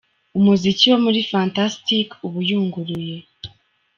Umuziki wo muri Fantastic uba uyunguruye.